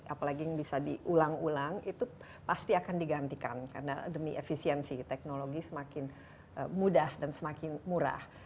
apalagi yang bisa diulang ulang itu pasti akan digantikan karena demi efisiensi teknologi semakin mudah dan semakin murah